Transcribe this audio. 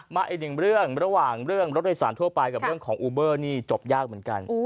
อีกหนึ่งเรื่องระหว่างเรื่องรถโดยสารทั่วไปกับเรื่องของอูเบอร์นี่จบยากเหมือนกัน